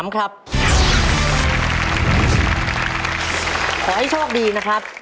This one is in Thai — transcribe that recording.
ขอให้โชคดีนะครับ